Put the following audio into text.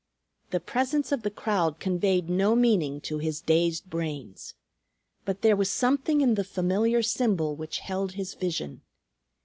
The presence of the crowd conveyed no meaning to his dazed brains. But there was something in the familiar symbol which held his vision.